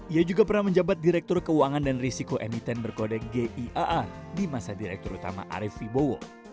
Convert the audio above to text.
ia juga pernah menjabat direktur keuangan dan risiko emiten berkode giaan di masa direktur utama arief fibowo